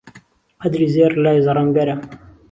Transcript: قەدری زێڕ لای زەڕەنگەرە